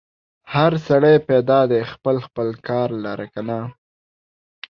هر سړی پیدا دی خپل خپل کار لره که نه؟